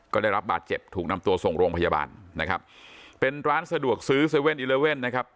ก็ได้รับบาดเจ็บถูกนำตัวส่งโรงพยาบาลนะครับเป็นร้านสะดวกซื้อ๗๑๑นะครับ